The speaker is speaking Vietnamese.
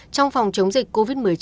trong phòng chống dịch covid một mươi chín